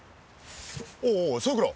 おうおうさくら